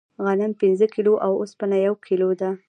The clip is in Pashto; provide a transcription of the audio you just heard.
غنم پنځه کیلو او اوسپنه یو کیلو ده.